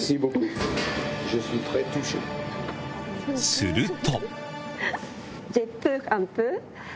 すると。